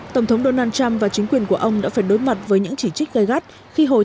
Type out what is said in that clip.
tổng thống donald trump và chính quyền của ông đã phải đối mặt với những chỉ trích gây gắt khi hồi